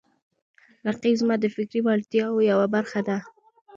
رقیب زما د فکري وړتیاو یوه برخه ده